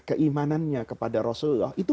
keimanannya kepada rasulullah itu